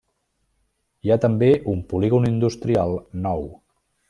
Hi ha també un polígon industrial nou.